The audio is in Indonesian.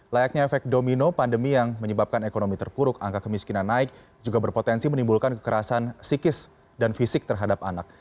layaknya efek domino pandemi yang menyebabkan ekonomi terpuruk angka kemiskinan naik juga berpotensi menimbulkan kekerasan psikis dan fisik terhadap anak